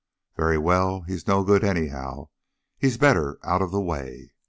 "Very well; he's no good, anyhow; he's better out of the way."